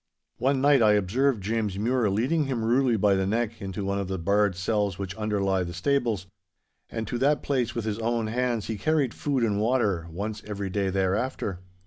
One night I observed James Mure leading him rudely by the neck into one of the barred cells which underlie the stables. And to that place with his own hands he carried food and water once every day thereafter.